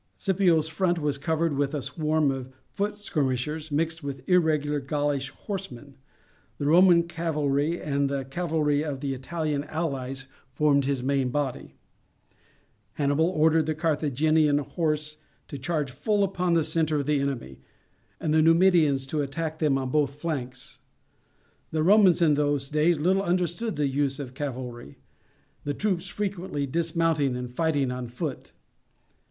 Scipio's front was covered with a swarm of foot skirmishers mixed with irregular Gaulish horsemen; the Roman cavalry and the cavalry of the Italian allies formed his main body. Hannibal ordered the Carthaginian horse to charge full upon the centre of the enemy, and the Numidians to attack them on both flanks. The Romans, in those days, little understood the use of cavalry, the troops frequently dismounting and fighting on foot.